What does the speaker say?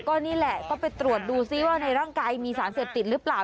ก็นี่แหละก็ไปตรวจดูซิว่าในร่างกายมีสารเสพติดหรือเปล่า